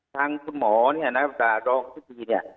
ทางคุณหมอรองซึ่งตี